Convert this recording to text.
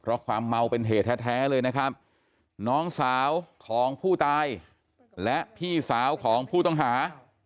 เพราะความเมาเป็นเหตุแท้เลยนะครับน้องสาวของผู้ตายและพี่สาวของผู้ต้องหา